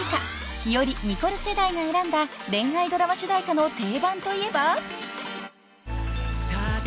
［ひより・ニコル世代が選んだ恋愛ドラマ主題歌の定番といえば］